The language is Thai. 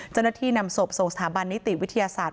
เจ้าหน้าที่นำศพส่งสถาบันนิติวิทยาศาสตร์